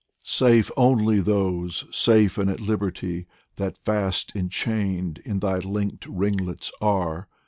Safe only those, safe, and at liberty, That fast enchained in thy linked ringlets are.